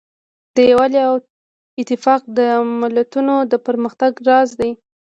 یووالی او اتفاق د ملتونو د پرمختګ راز دی.